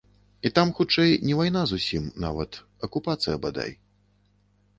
І там хутчэй не вайна зусім нават, акупацыя, бадай.